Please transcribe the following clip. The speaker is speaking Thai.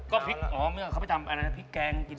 ก็พริกอ๋อไม่เป็นไรเขาไปทำพริกแกงกินดานะ